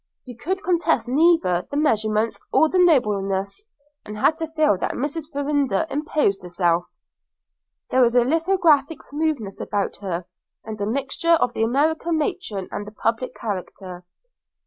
You could contest neither the measurements nor the nobleness, and had to feel that Mrs. Farrinder imposed herself. There was a lithographic smoothness about her, and a mixture of the American matron and the public character.